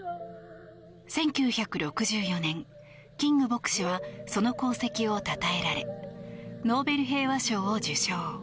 １９６４年、キング牧師はその功績を称えられノーベル平和賞を受賞。